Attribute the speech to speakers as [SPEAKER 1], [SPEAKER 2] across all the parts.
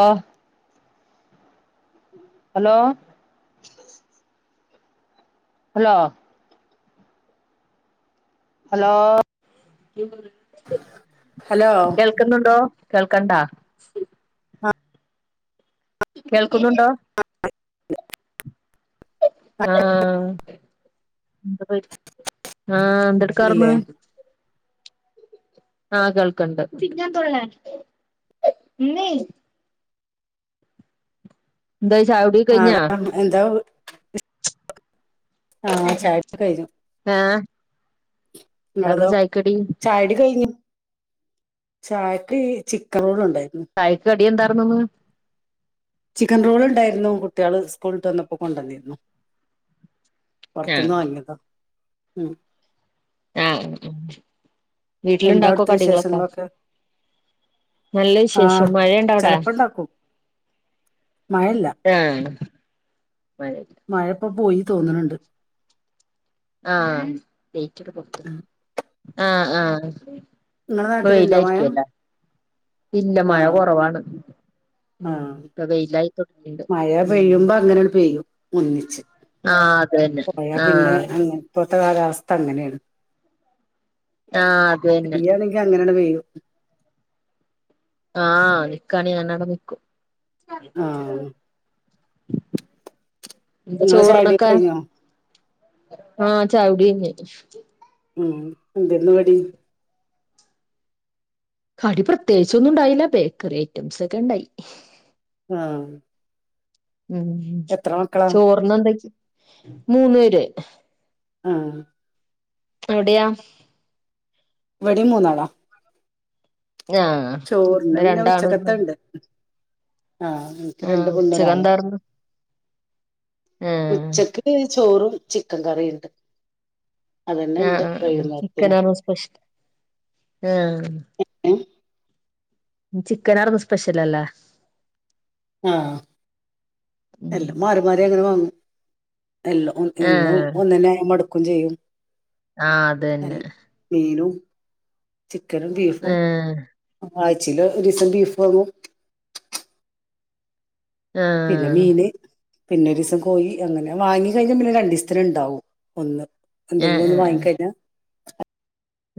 [SPEAKER 1] ഓഹ് hello hello hello
[SPEAKER 2] hello
[SPEAKER 1] കേൾക്കുന്നുണ്ടോ കേൾക്കണ്ടാ
[SPEAKER 2] ആ
[SPEAKER 1] കേൾക്കുന്നുണ്ടോ ആഹ് ആഹ്
[SPEAKER 2] ല്ലേ
[SPEAKER 1] എന്തെടുക്കാറ്ന്ന് ആഹ് കേൾക്ക്ണ്ട് ന്തായി ചായുടിക്കെ
[SPEAKER 2] ആ
[SPEAKER 1] കഴിഞ്ഞ
[SPEAKER 2] എന്താ ആഹ് ചായകുടി കഴിഞ്ഞു
[SPEAKER 1] ഏഹ് എന്താർന്ന്
[SPEAKER 2] നിങ്ങടതോ
[SPEAKER 1] ചായക്കടി
[SPEAKER 2] ചായകുടി കഴിഞ്ഞു ചായക്ക് ചിക്കൻ റോള് ഒണ്ടായി
[SPEAKER 1] ചായക്ക് കടി എന്താർന്നന്ന്
[SPEAKER 2] ചിക്കൻ റോൾ ഒണ്ടാരുന്നു കുട്ടികള് സ്കൂൾ വിട്ട് വന്നപ്പോ കൊണ്ടുവന്നിരുന്നു
[SPEAKER 1] ആഹ്
[SPEAKER 2] പൊറത്ത്ന്ന് വാങ്ങിയതാ ഉം
[SPEAKER 1] ആഹ്
[SPEAKER 2] എന്താ
[SPEAKER 1] വീട്ടിലുണ്ടാക്കോ
[SPEAKER 2] അവിടുത്തെ
[SPEAKER 1] കടികളൊക്കാ
[SPEAKER 2] വിശേഷങ്ങളൊക്കെ
[SPEAKER 1] നല്ല
[SPEAKER 2] ആ
[SPEAKER 1] വിശേഷം മഴയൊണ്ട അവിടാ
[SPEAKER 2] ചെലപ്പോ ഉണ്ടാക്കും
[SPEAKER 1] ആഹ് മഴയില്ല
[SPEAKER 2] മഴപ്പൊ പോയി തോന്നണ് ണ്ട്
[SPEAKER 1] ആഹ് ലൈറ്റ്ട് പൊർത്ത് ആഹ് ആഹ്
[SPEAKER 2] നിങ്ങളെ
[SPEAKER 1] പ്പ
[SPEAKER 2] നാട്ടിലുണ്ടോ മഴ
[SPEAKER 1] വെയ്ലായ്രിക്കല്ലാ ഇല്ല മഴ കൊറവാണ്
[SPEAKER 2] ആഹ് മയ
[SPEAKER 1] ഉം
[SPEAKER 2] പെയ്യുമ്പങ്ങനേണ്ട് പെയ്യും ഒന്നിച്ച്
[SPEAKER 1] ആഹ് അത് തന്നെ
[SPEAKER 2] പോയാ പിന്നെ
[SPEAKER 1] ആഹ്
[SPEAKER 2] അങ്ങൻ ഇപ്പത്തെ കാലാവസ്ഥ അങ്ങനേണ്
[SPEAKER 1] ആഹ് അത് തന്നെ
[SPEAKER 2] പെയ്യാണെങ്കി അങ്ങനാണ്ട് പെയ്യും
[SPEAKER 1] ആഹ് നിക്കാണെ ഞാനാടെ നിക്കും
[SPEAKER 2] ആ
[SPEAKER 1] ഞ്ഞ്പ്പൊ
[SPEAKER 2] നിങ്ങളെ ചായകുടിയൊക്കെ
[SPEAKER 1] ചോറ്നൊക്കെ
[SPEAKER 2] കഴിഞ്ഞോ
[SPEAKER 1] ആഹ് ചായുടി കയ്ഞ്ഞ്
[SPEAKER 2] ഉം എന്തേര്ന്നു കടി?
[SPEAKER 1] കടി പ്രത്യേകിച്ചൊന്നുംണ്ടായ്ല ബേക്കറി ഐറ്റംസാെക്കെണ്ടായി
[SPEAKER 2] ആഹ്
[SPEAKER 1] ഉം
[SPEAKER 2] എത്ര മക്കളാ
[SPEAKER 1] ചോർനെന്തയ്ച് മൂന്ന് പേര്
[SPEAKER 2] ആഹ്
[SPEAKER 1] അവ്ടെയാ?
[SPEAKER 2] ഇവ്ടിം മൂന്നാളാ
[SPEAKER 1] ആഹ്
[SPEAKER 2] ചോർന്
[SPEAKER 1] ഇവിടെ
[SPEAKER 2] പിന്നെ
[SPEAKER 1] രണ്ടാണും ഒരു പെണ്ണും
[SPEAKER 2] ഉച്ചക്കത്തെണ്ട് ആഹ് ഇൻക്ക് രണ്ട്
[SPEAKER 1] ആഹ്
[SPEAKER 2] പെണ്ണും ഒരാണും
[SPEAKER 1] ഉച്ചക്കെന്താർന്ന് ആഹ്
[SPEAKER 2] ഉച്ചക്ക് പിന്നെ ചോറും ചിക്കൻ കറീണ്ട്
[SPEAKER 1] ആഹ്
[SPEAKER 2] അതെന്നെണ്ട്
[SPEAKER 1] ആഹ്
[SPEAKER 2] വെയ്കുന്നേര്ത്തിനും
[SPEAKER 1] ചിക്കനാർന്നു സ്പെഷ്യൽ ആഹ് ചിക്കനാർന്നു സ്പെഷ്യലെല്ലേ
[SPEAKER 2] ആഹ്
[SPEAKER 1] ഉം
[SPEAKER 2] എല്ലം മാറി മാറി അങ്ങനെ വാങ്ങും എല്ലം ഒ എന്നും ഒന്നെന്നായാ മട്ക്കും ചെയ്യും
[SPEAKER 1] ആഹ അത് തന്നെ
[SPEAKER 2] മീനും ചിക്കനും, ബീഫും.
[SPEAKER 1] ആഹ്
[SPEAKER 2] ആഴ്ച്ചെലൊരീസം ബീഫ് വാങ്ങും. പിന്നെ
[SPEAKER 1] ആഹ്
[SPEAKER 2] മീന് പിന്നെ ഒരീസം കോയി അങ്ങനെ വാങ്ങി കഴിഞ്ഞ പിന്നെ രണ്ടിസ്ത്തിന് ഉണ്ടാവും ഒന്ന്
[SPEAKER 1] ഏഹ്
[SPEAKER 2] എന്തെങ്കിലും ഒന്ന്
[SPEAKER 1] ഏഹ് ഏഹ്
[SPEAKER 2] വാങ്ങിക്കഴിഞ്ഞ-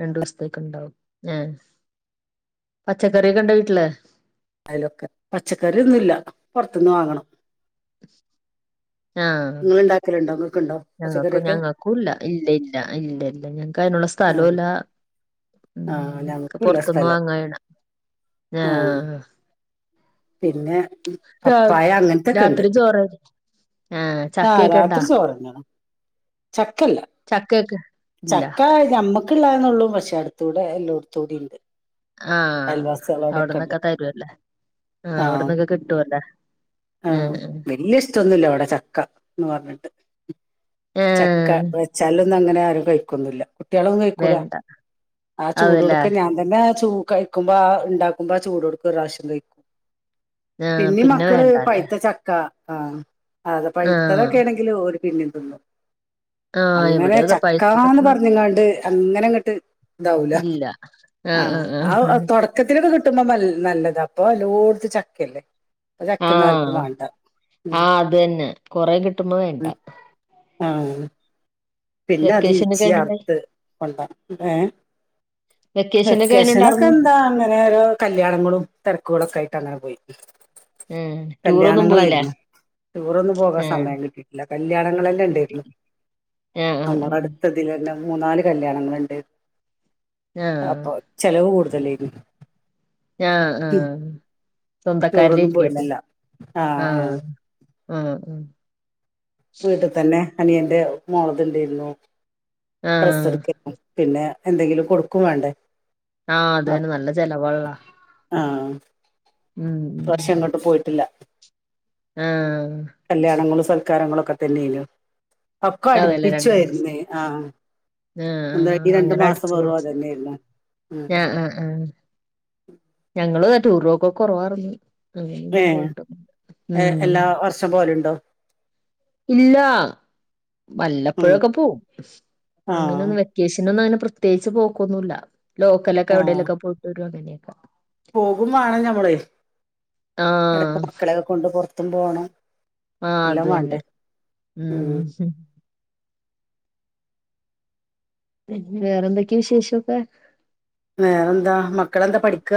[SPEAKER 1] രണ്ടു ദിവസത്തേക്ക ഉണ്ടാവും ഏ! പച്ചക്കറിയൊക്കെ ഇണ്ടാ വീട്ടില്
[SPEAKER 2] അതിലൊക്കെ പച്ചക്കറൊന്നുംല്ല പുറത്ത്ന്ന് വാങ്ങണം
[SPEAKER 1] ആ!
[SPEAKER 2] നിങ്ങൾ ഉണ്ടാക്കലുണ്ടോ നിങ്ങൾക്കുണ്ടോ
[SPEAKER 1] ഞങ്ങൾക്കും
[SPEAKER 2] പച്ചക്കറിയൊക്കെ
[SPEAKER 1] ഞങ്ങൾക്കുംല്ല ഇല്ല! ഇല്ല! ഇല്ല! ഇല്ല ഞങ്ങ തിനുള്ള
[SPEAKER 2] ആ
[SPEAKER 1] സ്ഥലുല്ല
[SPEAKER 2] ആ
[SPEAKER 1] ക്ക്
[SPEAKER 2] ഞങ്ങൾക്കില്ല
[SPEAKER 1] പുറത്തൊന്ന
[SPEAKER 2] സ്ഥലം
[SPEAKER 1] വാങ്ങയണ ആ
[SPEAKER 2] പിന്നെ പപ്പായ അങ്ങനത്തൊക്കെ ഉണ്ട്.
[SPEAKER 1] രാത്രി ചോറ്
[SPEAKER 2] ആഹ്
[SPEAKER 1] ചക്കയൊക്കെ ഉണ്ടാ
[SPEAKER 2] രാത്രി ചോറന്നാണ്. ചക്കല്ല
[SPEAKER 1] ചക്കയൊക്കെ ഇല്ല
[SPEAKER 2] ചക്ക ഞമ്മ ക്ക്ല്ലാന്നൊള്ളൂ പക്ഷെ അടുത്തുകൂടെ എല്ലോടത്തൂടീ ഉണ്ട്
[SPEAKER 1] ആ
[SPEAKER 2] അയൽവാസികളോടൊക്കെ ഉണ്ട്
[SPEAKER 1] അവിടന്നൊക്കെ തരുവല്ലേ! ആഹ്
[SPEAKER 2] ആ
[SPEAKER 1] അവിടന്നൊക്കെ കിട്ടുവല്ലേ!
[SPEAKER 2] ആ
[SPEAKER 1] ആഹ് ആഹ്
[SPEAKER 2] വല്യ ഇഷ്ടൊന്നുമല്ല ഇവിടെ ചക്ക എന്ന് പറഞ്ഞിട്ട് ചക്ക
[SPEAKER 1] ഏഹ്
[SPEAKER 2] വെച്ചാലൊന്നും അങ്ങനെ ആരും കഴിക്കൊന്നുല്ല കുട്ടികളെന്നും കഴിക്കൂല
[SPEAKER 1] വേണ്ട
[SPEAKER 2] ആ ചൂട്
[SPEAKER 1] അതല്ലേ
[SPEAKER 2] ഓട്ക്കെ ഞാൻ തന്നെ ചൂ കഴിക്കുമ്പോ ഉണ്ടാക്കുമ്പോ ആ ചൂട് ഓട്ക്കെഒരു പ്രാവശ്യം കഴിക്കും
[SPEAKER 1] ആ പിന്നെ വേണ്ട
[SPEAKER 2] പൈത്ത ചക്ക ആ അത്
[SPEAKER 1] ആഹ്
[SPEAKER 2] പൈത്തതൊക്കെ ആണെങ്കില് ഓല് പിന്നി തിന്നും
[SPEAKER 1] ആഹ്
[SPEAKER 2] അങ്ങനെ
[SPEAKER 1] ഇവിടെ അതെ
[SPEAKER 2] ചക്കാന്ന്
[SPEAKER 1] പഴുത്തതൊക്കെ മതി
[SPEAKER 2] പറഞ്ഞ്ങ്ങാണ്ട് അങ്ങനെ ഇങ്ങട്ട് ഇതാവൂല
[SPEAKER 1] ഇല്ല
[SPEAKER 2] ആ
[SPEAKER 1] ആഹ് ആഹ് ആഹ്
[SPEAKER 2] ആ തുടക്കത്തിലൊക്കെ കിട്ടുമ്പോ മല്ല- നല്ലതാ അപ്പൊ എല്ലോട്ത്തും ചക്കല്ലേ
[SPEAKER 1] ആ
[SPEAKER 2] ചക്കയൊന്നും ആർക്കും വാണ്ട ഉം
[SPEAKER 1] ആഹ് അത് തന്നെ കൊറെ കിട്ടുമ്പോ വേണ്ട.
[SPEAKER 2] ആ! പിന്നെ അത് ഈച്ച
[SPEAKER 1] വെക്കേഷനൊക്കെ എങ്ങനെണ്ടായി?
[SPEAKER 2] അറ്ത്ത് കൊണ്ട ഏ
[SPEAKER 1] വെക്കേഷനൊക്കെ
[SPEAKER 2] വെക്കേഷന ഒക്കെ
[SPEAKER 1] എങ്ങനെണ്ടാർന്നു?
[SPEAKER 2] എന്താ അങ്ങനെ ഓരോ കല്യാണങ്ങളും തെര് ക്ക്കൊളൊക്കെ ആയിട്ട് അങ്ങനെ പോയി
[SPEAKER 1] ഉം ടൂറൊന്നും പോയില്ലേ?
[SPEAKER 2] കല്യാണങ്ങളായിരുന്നു ടൂറൊന്നും പോകാൻ
[SPEAKER 1] ഏഹ്
[SPEAKER 2] സമയം കിട്ടിയിട്ടില്ല കല്യാണങ്ങളെല്ലാം
[SPEAKER 1] കിട്ടി.
[SPEAKER 2] ഉണ്ടായിരുന്നു
[SPEAKER 1] ആഹ് ആഹ്
[SPEAKER 2] നമ്മട
[SPEAKER 1] ആഹ്.
[SPEAKER 2] അട്ത്തതിൽന്നെ മൂന്നാല് കല്യാണങ്ങള്ണ്ട്
[SPEAKER 1] ആഹ്
[SPEAKER 2] അപ്പൊ ചെലവ് കൂടുതലായിരുന്നു
[SPEAKER 1] ആ ആഹ് സ്വന്തക്കാരടെ
[SPEAKER 2] ടൂറൊന്നും
[SPEAKER 1] ഇരിക്കല്ലേ
[SPEAKER 2] പോയിട്ടില്ല
[SPEAKER 1] ആ
[SPEAKER 2] ആഹ് ആഹ്
[SPEAKER 1] ആ ഉം
[SPEAKER 2] വീട്ടിൽ തന്നെ അനിയന്റെ മോൾത്ണ്ടേര്ന്നു ഡ്രസ്സ്
[SPEAKER 1] ആഹ്
[SPEAKER 2] എടുക്ക പിന്നെ എന്തെങ്കിലും കൊടുക്കും വേണ്ടേ
[SPEAKER 1] ആഹ് അത് തന്നെ നല്ല ചിലവാള്ളാ
[SPEAKER 2] പ്രാശ്യം എങ്ങട്ടും പോയിട്ടില്ല
[SPEAKER 1] ആ
[SPEAKER 2] കല്യാണങ്ങളും സൽക്കാരങ്ങളൊക്കെ തന്നെയേനു ഒക്കെ അടുപ്പിച്ചായിരുന്നേ ആ
[SPEAKER 1] ആ ആ അങ്ങനെ അടിച്ചു പൊളിച്ചു
[SPEAKER 2] അതന്നെയായിരുന്നു ഉം
[SPEAKER 1] ആ ആ ആ ഞങ്ങള് ടൂറൊക്കെ കുറവാർന്നു ഉം എങ്ങും
[SPEAKER 2] ഏഹ്
[SPEAKER 1] പോയിട്ടോ ഉം
[SPEAKER 2] എല്ലാ വർഷം പോവലുണ്ടോ
[SPEAKER 1] ഇല്ലാ
[SPEAKER 2] ഉം
[SPEAKER 1] വല്ലപ്പോഴൊക്കെ പോവും അങ്ങനെ
[SPEAKER 2] ആഹ്
[SPEAKER 1] ഒന്ന് വെക്കേഷൻ ഒന്ന് അങ്ങനെ പ്രത്യേകച്ച് പോക്കൊന്നുല്ല ലോക്കലൊക്കെ എവിടേ
[SPEAKER 2] ആഹ്
[SPEAKER 1] ലൊക്കെ പോയിട്ട് വരും അങ്ങനെയൊക്കെ
[SPEAKER 2] പോകും വാണം ഞമ്മള്
[SPEAKER 1] ആഹ്
[SPEAKER 2] ഇടക്ക് മക്കളൊക്കെ കൊണ്ട് പൊറത്തും പോണം
[SPEAKER 1] ആ അത്
[SPEAKER 2] എല്ലാം വേണ്ടേ
[SPEAKER 1] തന്നെ ഉം പി വേറെന്തൊക്കെയ വിശേഷംൊക്കെ
[SPEAKER 2] വേറെന്താ മക്കളെന്താ പഠിക്ക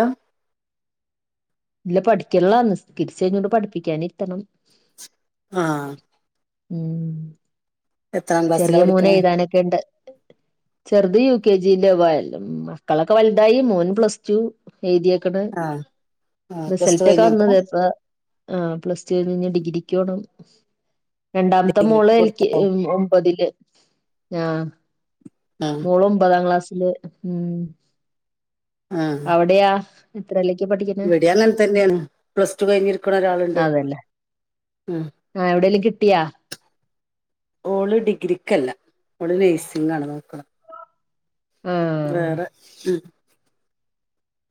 [SPEAKER 1] ഇല്ല പഠിക്കുള്ളാണ് നിസ്കരിച്ച് ഴിഞ്ഞിട്ട്പഠിപ്പിക്കാന ഇരുത്തണം
[SPEAKER 2] ആഹ
[SPEAKER 1] ഉം
[SPEAKER 2] ക്ലാസ്സിലാ
[SPEAKER 1] ചെറിയ മോന
[SPEAKER 2] പഠിക്കണേ
[SPEAKER 1] എഴുതാനൊക്കെ ഉണ്ട് ചെറുത് യു കെ ജി മക്കളൊക്കെ വലുതായി മോന്പ്ലസ് ടു എഴുതിൊക്കണ്
[SPEAKER 2] ആഹ് ആഹ് പ്ലസ് ടു
[SPEAKER 1] റിസൾറ്റ് ഒക്കെ
[SPEAKER 2] കഴിഞ്ഞപ്പോ
[SPEAKER 1] വന്നത് ഇപ്പ ആ പ്ലസ് ടു ഴിഞ്ഞ് ഡിഗ്രക്ക്ോണം രണ്ടാമത്തെ മോള്
[SPEAKER 2] ഡിഗ്രിക്ക്
[SPEAKER 1] എലിക്ക്
[SPEAKER 2] കൊടുത്ത
[SPEAKER 1] ഒമ്പതില് ആ
[SPEAKER 2] ആഹ്
[SPEAKER 1] മൂളും ഒമ്പതാം ക്ലാസില് ഉ
[SPEAKER 2] ആഹ്
[SPEAKER 1] അവിടെയാ എത്രയിലേക്കാ പഠിക്കുന്നെ
[SPEAKER 2] ഇവിടെ അങ്ങനെ തന്നെയാണ് പ്ലസ് ടു കഴിഞ്ഞിരിക്കണ ഒരാളുണ്ട് ഉം
[SPEAKER 1] ആഹ എവിടെേലും കിട്ടിയാ
[SPEAKER 2] ഓള് ഡിഗ്രിക്കല്ല ഓള് നഴ്സിംഗ ആണ് നോക്ക്ണെ
[SPEAKER 1] ആ
[SPEAKER 2] വേറെ ഉ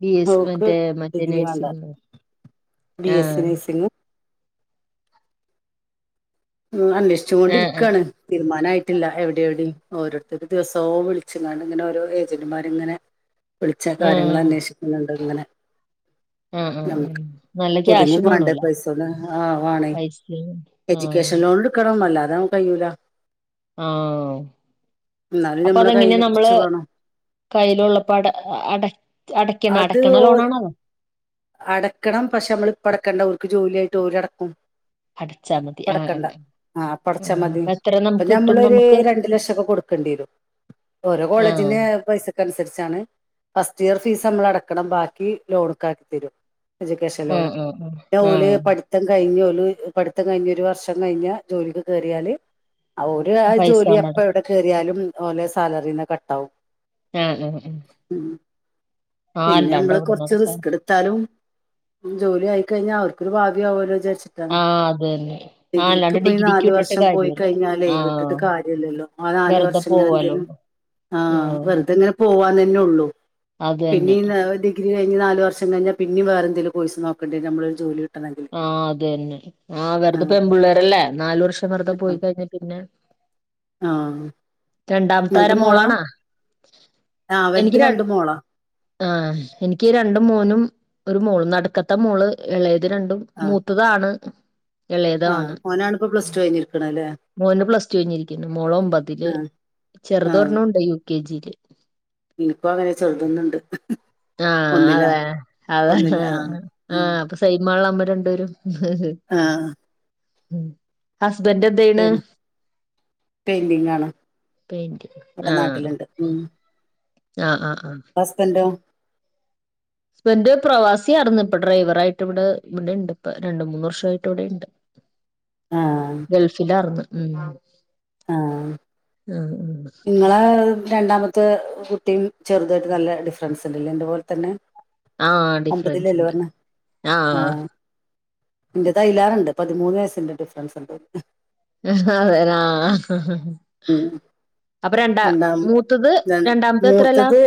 [SPEAKER 1] ബി എസ്
[SPEAKER 2] മോക്ക്
[SPEAKER 1] മറ്റേ മറ്റേ
[SPEAKER 2] ഡിഗ്രി വേണ്ട
[SPEAKER 1] നഴ്സിംഗ്
[SPEAKER 2] ബി
[SPEAKER 1] ആ
[SPEAKER 2] എസ് സി നേഴ്സിംഗ അന്വേഷിച്ച
[SPEAKER 1] ആ ആ
[SPEAKER 2] കൊണ്ടിരിക്കുകയാണ് തീരുമാനയിട്ടില്ല എവിടെ എവിടെയും ഓരോരുത്തരു ദിവസവും വിളിച്ചങ്ങ ഇങ്ങനെ ഓരോ ഏജന്റുമാർ ഇങ്ങനെ വിളിച്ച
[SPEAKER 1] ആ
[SPEAKER 2] കാര്യങ്ങൾ അന്വേഷിക്കുന്നുണ്ട് ഇങ്ങനെ
[SPEAKER 1] [unintelligible] ആ ഉ ഉ
[SPEAKER 2] നമുക്ക്
[SPEAKER 1] നല്ല
[SPEAKER 2] ഒതുങ്ങും
[SPEAKER 1] ക്യാഷും
[SPEAKER 2] വേണ്ടേ
[SPEAKER 1] വേണല
[SPEAKER 2] പൈസ
[SPEAKER 1] പൈസ
[SPEAKER 2] എജ്യൂക്കേഷൻ ലോൺ എടുക്കണ അല്ലാതെൻ കയ്യിൂല
[SPEAKER 1] ആഹ
[SPEAKER 2] എന്നാലും
[SPEAKER 1] അപ്പൊ
[SPEAKER 2] നമ്മളെ
[SPEAKER 1] അതെങ്ങനെ
[SPEAKER 2] കയ്യില്
[SPEAKER 1] നമ്മള്
[SPEAKER 2] കുറച്ച് വേണം
[SPEAKER 1] കയ്യില ഉുള്ളപ്പോ അട അട അടക്കണം
[SPEAKER 2] അത്
[SPEAKER 1] അടക്കണ ലോണ ആ വ
[SPEAKER 2] അടക്കണം പക്ഷെ നമ്മള് ഇപ്പ അടക്കണ്ട അവർക്ക് ജോലിയായിട്ട് ഓരടക്കും
[SPEAKER 1] അടച്ചാൽ മതി ആഹ് ആഹ് ആ
[SPEAKER 2] ആഹ
[SPEAKER 1] ആ
[SPEAKER 2] പടച്ചാ മതി
[SPEAKER 1] അപ്പൊ എത്ര
[SPEAKER 2] ഇപ്പൊ
[SPEAKER 1] നമുക്ക് കിട്ടും
[SPEAKER 2] മ്മളൊരു
[SPEAKER 1] നമുക്ക്
[SPEAKER 2] രണ്ടു ലക്ഷംൊക്കെ കൊടുക്കേണ്ടി വരും ഓരോ
[SPEAKER 1] ആ
[SPEAKER 2] കോളേജിന് പൈസക്കനുസരി ഫസ്റ്റ് ഇയർ ഫീസ് നമ്മളടക്കണം ബാക്കി ലോണക്കാർ തരും എജ്യൂക്കേഷനോ
[SPEAKER 1] ആ ആ ആ ആ
[SPEAKER 2] ഓലപഠിത്തം കഴിഞ്ഞ പഠിത്തം കഴിഞ്ഞ ഒരു വർഷം കഴിഞ്ഞ ജോലിക്ക് കയറിയാല് ഒരു
[SPEAKER 1] പൈസ
[SPEAKER 2] ജോലി അപ്പ
[SPEAKER 1] കൊണ്ടട
[SPEAKER 2] എവിടെ കയറിയാലും ലെ സാലറിന്ന് കട്ടാവും
[SPEAKER 1] ആഹ് ആഹ് ആഹ്
[SPEAKER 2] ഉം പിന്നെ നമ്മള് കൊറച്ച്
[SPEAKER 1] അടക്കാനാ
[SPEAKER 2] റിസ്ക് എടു- ജോലി ആയിക്കഴിഞ്ഞാൽ അവർക്കൊരു ഭാവി ആവല്ലോ വിചാരിചച്ച് ട്ടാണ്
[SPEAKER 1] ആഹ് അത് തന്നെ ആഹ്
[SPEAKER 2] ഡിഗ്രിക്ക്
[SPEAKER 1] അല്ലാണ്ട്
[SPEAKER 2] പോയി
[SPEAKER 1] ഡിഗ്രിക്ക്
[SPEAKER 2] നാല്
[SPEAKER 1] വിട്ടിട്ട്
[SPEAKER 2] വർഷം പോയി
[SPEAKER 1] കാര്യല്ല
[SPEAKER 2] കഴിഞ്ഞാലേ ഇട്ടിട്ട്
[SPEAKER 1] ആഹ്
[SPEAKER 2] കാര്യമില്ലല്ലോ ആ നാല്
[SPEAKER 1] വെറുതെ
[SPEAKER 2] വർഷം ഇങ്ങനെ
[SPEAKER 1] പോവാലോ
[SPEAKER 2] എന്തെിലും ആ
[SPEAKER 1] ആഹ്
[SPEAKER 2] വെറുതെങ്ങനെ പോവാ ന്നെ ഒള്ളു
[SPEAKER 1] അത് തന്നെ
[SPEAKER 2] പിന്നെ ഡിഗ്രി കഴിഞ്ഞ് നാല് വർഷം ഷം കഴിഞ്ഞാ പിന്നെവറെ എന്തങ്കിലും കോഴ്സ് നോക്കണ്ടേ നമ്മള് ഒരു ജോലി കിട്ടണമെങ്കിൽ
[SPEAKER 1] ആഹ് അത് തന്നെ ആ വെറുതെ
[SPEAKER 2] ആഹ്
[SPEAKER 1] പെൺമ്പുള്ളേരല്ലേ നാലു വർഷം വെറുതെ പോയി കഴിഞ്ഞ പിന്നെ
[SPEAKER 2] ആഹ്
[SPEAKER 1] രണ്ടാമത്തൊര
[SPEAKER 2] നിങ്ങളത് മോളാ
[SPEAKER 1] മോളാണാ
[SPEAKER 2] ആഹ്
[SPEAKER 1] എനിക്ക്
[SPEAKER 2] വലുത്
[SPEAKER 1] രണ്ട്
[SPEAKER 2] മോളാ
[SPEAKER 1] ആ എനിക്ക് രണ്ടും മോനും ഒരു മോളും നട- ക്കത്തെ മോള് ഇളയത് രണ്ടും
[SPEAKER 2] ആഹ്
[SPEAKER 1] മൂത്തത് ആണ് ഇളയത്
[SPEAKER 2] ആഹ് ഓനാണ് ഇപ്പോ പ്ലസ് ടു കഴിഞ്ഞിരിക്കണത് അല്ലേ
[SPEAKER 1] ആണ്ണ്മോന് പ്ലസ്ടു കഴിഞ്ഞിരിക്കുന്നു മോളോ ഒമ്പതില്
[SPEAKER 2] ആഹ്
[SPEAKER 1] ചെറുതൊരാണ്ണം ഉണ്ട് യു കെ ജിയില്
[SPEAKER 2] ഇനിപ്പോ അവന് ചെറുതുന്നുണ്ട്
[SPEAKER 1] ആഹ അതെ അതാണ്
[SPEAKER 2] ഒന്നില് ആഹ്
[SPEAKER 1] ആഹ് അപ്പൊ സൈമ ഉള്ള നമ്മ രണ്ടപേരും
[SPEAKER 2] ആഹ്
[SPEAKER 1] ഹസ്ബന്റെ എന്ത് യ്ണ്
[SPEAKER 2] പെയിന്റിങ്ങ് ആണ്
[SPEAKER 1] പെയിന്റിങ്.
[SPEAKER 2] ഇവിടെ
[SPEAKER 1] ആഹ്
[SPEAKER 2] നാട്ടിലുണ്ട് ഉം
[SPEAKER 1] ആഹ് ആഹ്
[SPEAKER 2] ഹസ്ബെന്റോ
[SPEAKER 1] ഹസ്ബന്റ് പ്രവാസി ആർന്നു ഇപ്പൊ ഡ്രൈവറായിട്ട് ഇവടെ ഇവടെ ഇണ്ട് ഇപ്പ, രണ്ട് മൂന്ന് വർഷായിട്ട് ഇവടെ ഇണ്ട്.
[SPEAKER 2] ആഹ്
[SPEAKER 1] ഗൾഫിലാർന്ന് ഉം
[SPEAKER 2] ആഹ്
[SPEAKER 1] ആഹ്
[SPEAKER 2] നിങ്ങളെ രണ്ടാമത്തെ കുട്ടിയും ചെറുതായിട്ട് നല്ല ഡിഫറൻസ് ഇണ്ടല്ലേ എന്റെ പോലെ തന്നെ.
[SPEAKER 1] ആഹ് ഡിഫറൻസ്
[SPEAKER 2] ഒമ്പതിലല്ലേ
[SPEAKER 1] ഇണ്ട്
[SPEAKER 2] പറഞ്ഞേ ആഹ് എന്റെ തയലാറ്ണ്ട് പതിമൂന്ന് വയസ്സിന്റെ ഡിഫറൻസ് ഇണ്ട് [unintelligible]
[SPEAKER 1] അതേനാ
[SPEAKER 2] ഉം രണ്ടാം
[SPEAKER 1] മൂത്തത്
[SPEAKER 2] രാ
[SPEAKER 1] രണ്ടാമത്തെ എത്രേലാ
[SPEAKER 2] മൂത്തത്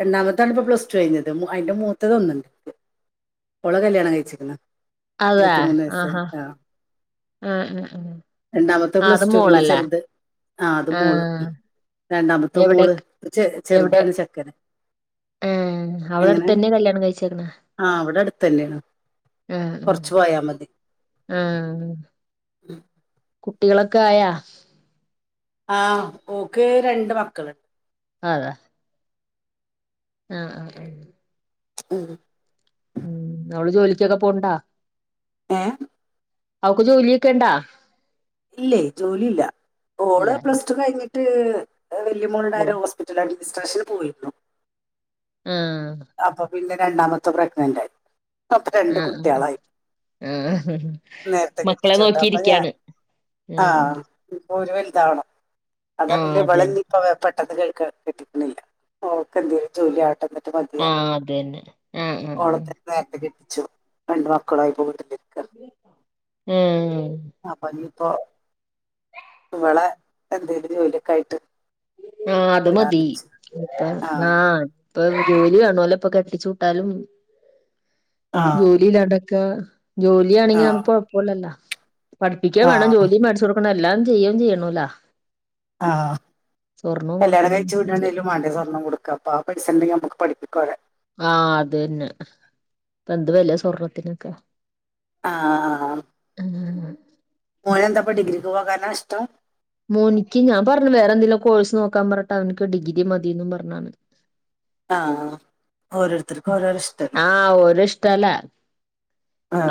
[SPEAKER 2] രണ്ടാമത്താണ് ഇപ്പൊ പ്ലസ് ടു കഴിഞ്ഞത് അതിന്റെ മൂ ത്തതൊന്നിണ്ട് ഓളെ കല്യാണം കഴിച്ചിക്ക്ണ്.
[SPEAKER 1] അതെ
[SPEAKER 2] ഇരുപത്തി മൂന്ന്
[SPEAKER 1] ആഹാ
[SPEAKER 2] വയസായി ആഹ്
[SPEAKER 1] ആഹ് ആഹ് ആഹ്
[SPEAKER 2] രണ്ടാമത്തെ
[SPEAKER 1] അത്
[SPEAKER 2] പ്ലസ് ടു പിന്നെ
[SPEAKER 1] മോളല്ലേ
[SPEAKER 2] ചെറുത് ആ അത് മോള്.
[SPEAKER 1] ആഹ്
[SPEAKER 2] രണ്ടാമത്ത
[SPEAKER 1] എവിടെ
[SPEAKER 2] മോള് ചെ
[SPEAKER 1] എവിടെ
[SPEAKER 2] ചെറുതാണ് ചെക്കനേ
[SPEAKER 1] ആഹ്
[SPEAKER 2] എങ്ങനെ
[SPEAKER 1] അവളടുത്തന്നെ കല്യാണം കഴിച്ചേക്കണെ
[SPEAKER 2] ആ അവിടെ അടുത്തന്നെയാണ് കൊറച്ച് പോയാ മതി
[SPEAKER 1] ഉം
[SPEAKER 2] ഉം
[SPEAKER 1] കുട്ടികളൊക്കെ ആയാ?
[SPEAKER 2] ആഹ് ഓക്ക് രണ്ട് മക്കള്
[SPEAKER 1] ആതാ ആഹ് ആഹ് ആഹ്
[SPEAKER 2] ഉം
[SPEAKER 1] ഉം അവള് ജോലിക്കൊക്കെ പോണ്ടാ?
[SPEAKER 2] ഏ
[SPEAKER 1] അവക്ക് ജോലിയൊക്കെ ഇണ്ടാ?
[SPEAKER 2] ഇല്ലേ ജോലി ഇല്ല ഓള്
[SPEAKER 1] ഇല്ല
[SPEAKER 2] പ്ലസ് ടു കഴിഞ്ഞിട്ട് വല്യ മോൾടെ ആരോ ഹോസ്പിറ്റൽ അഡ്ജിസ്ട്രേഷൻ പോയിരുന്നു
[SPEAKER 1] ആഹ്
[SPEAKER 2] അപ്പൊ പിന്നെ രണ്ടാമത്തെ പ്രഗ്നന്റ് ആയി ഇപ്പ അവക്ക് രണ്ട്
[SPEAKER 1] ആഹ് ആഹ്
[SPEAKER 2] കുട്ടികളായി.
[SPEAKER 1] ആഹ്
[SPEAKER 2] നേരത്തെ
[SPEAKER 1] മക്കളെ
[SPEAKER 2] കെട്ടിച്ചോണ്ട് അപ്പൊ ഞാൻ
[SPEAKER 1] നോക്കിയിരിക്കയാണ് ഉം
[SPEAKER 2] ആഹ് ഇപ്പൊ ഓര് വൽ ഇതാവണം എന്നാ
[SPEAKER 1] ആഹ്
[SPEAKER 2] പിന്നെ ഇവളെ
[SPEAKER 1] അതന്നെ
[SPEAKER 2] ഇഞ്ഞിപ്പ പെട്ടെന്ന് കഴി ക് കെട്ടിക്കണില്ല അവക്ക് എന്തേലും ജോലി ആവട്ടെ എന്നിട്ട് മതി
[SPEAKER 1] ആഹ് അതന്നെ ആഹ് ആഹ് ആഹ്
[SPEAKER 2] ച്ചോ രണ്ട് മക്കളായി പോയിട്ട് അപ്പൊ ഇനിയിപ്പോ
[SPEAKER 1] ഉം
[SPEAKER 2] ഇവളെ എന്തേലും ജോലിയൊക്കെ ആയിട്ട്
[SPEAKER 1] ആഹ് അത് മതി
[SPEAKER 2] വിടാന്ന് വെച്ചു
[SPEAKER 1] ഇപ്പ ആ ഇപ്പൊ ജോലി കാണണോലിപ്പൊ കെട്ടിച്ച് വിട്ടാലും
[SPEAKER 2] ആ
[SPEAKER 1] ജോലില്ലാണ്ടേ ക്കെ
[SPEAKER 2] ആ
[SPEAKER 1] ജോലിയാണെങ്കി നമുക്ക് കൊഴപ്പോല്ലല്ലോ പഠിപ്പിക്കേം
[SPEAKER 2] ആ
[SPEAKER 1] വേണം ജോലിയും മേടിച്ചു കൊടുക്കണം എ എല്ലാം ചെയ്യും ചെയ്യണോലാ
[SPEAKER 2] ആഹ് കല്യാണം കഴിച്ച് വിടണേലും വേണ്ടേ സ്വർണം കൊടുക്കാ ഇപ്പൊ, ആ പൈസ ഇണ്ടെങ്ങേ നമുക്ക് പഠിപ്പിക്കാ അവരെ.
[SPEAKER 1] ആ അതന്നെ ഇപ്പ എന്ത് വെലാ സ്വർണത്തിനൊക്കെ
[SPEAKER 2] ആ മോന് എന്താപ്പ ഡിഗ്രിക്ക് പോകാനാ ഇഷ്ടം?
[SPEAKER 1] മോനിക്ക് ഞാൻ പറഞ്ഞു വേറെ എന്തേലൊ കോഴ്സ് നോക്കാൻ പറഞ്ഞിട്ട് അവൻക്ക് ഡിഗ്രി മതിന്നും പറഞ്ഞാണ്.
[SPEAKER 2] ആഹ്
[SPEAKER 1] ആ ഓരടെ ഇഷ്ടല്ലേ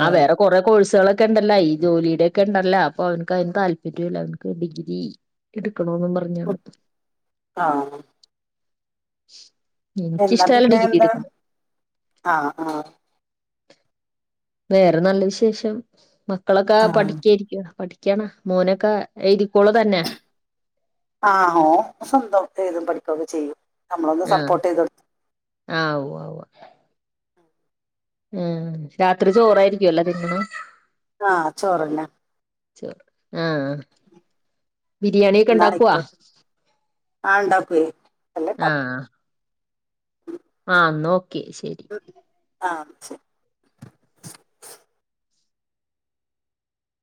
[SPEAKER 1] ആ വേറെ കൊറെ കോഴ്സുകളൊ ക്കെണ്ടല്ല ഈ ജോലിടെ ഒക്കെ ഇണ്ടല്ല അപ്പൊ അവൻക്ക് അതിന് താല്പര്യുല്ല അവൻക്ക് ഡിഗ്രി എടു ക്ക ണോന്ന് പറഞ്ഞാണ്
[SPEAKER 2] ആ
[SPEAKER 1] നക്ക്ഷ്ട എല്ലട ഇഗീക്കെ
[SPEAKER 2] ആഹ ആഹ
[SPEAKER 1] വേറെ നല്ല വിശേഷം മക്കളൊക്കെ
[SPEAKER 2] ആ
[SPEAKER 1] പഠിക്കയിരിക്കുവാണ് പഠിക്കാനോ മോനൊക്കെ എഴുതി ക്കോളൂ തന്നെ
[SPEAKER 2] ആഹോ ഓ സ്വന്തം എഴുതും പഠിക്കുകൊക്കെ ചെയ്യും നമ്മളൊന്ന് സപ്പോർട്ട് ചെയ്തടുക്കു
[SPEAKER 1] ആ ആ ഉം രാത്രി ചോറായിരിക്കുവല്ലോ തിന്നണേ
[SPEAKER 2] ആഹ ചോറല്ല
[SPEAKER 1] ചോ ആഹ ബിരിയാണിൊക്കെ ഇണ്ടാക്കവാ
[SPEAKER 2] ആഹ ഉണ്ടാക്കയേ അല്ലൊക്ക
[SPEAKER 1] ആഹ് ആഹ് നോ
[SPEAKER 2] ഉ ആഹ് ശരി